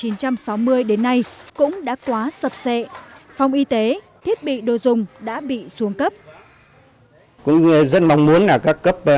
từ những năm một nghìn chín trăm sáu mươi đến nay cũng đã quá sập xệ phòng y tế thiết bị đồ dùng đã bị xuống cấp